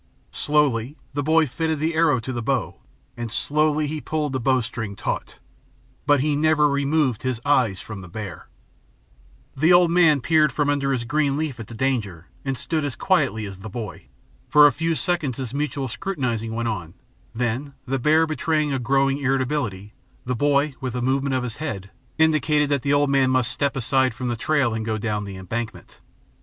Slowly the boy fitted the arrow to the bow, and slowly he pulled the bowstring taut. But he never removed his eyes from the bear. [Illustration: Slowly he pulled the bowstring taut 020] The old man peered from under his green leaf at the danger, and stood as quietly as the boy. For a few seconds this mutual scrutinizing went on; then, the bear betraying a growing irritability, the boy, with a movement of his head, indicated that the old man must step aside from the trail and go down the embankment.